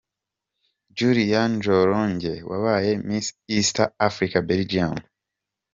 Julia Njoronge wabaye Miss East Africa Belgium.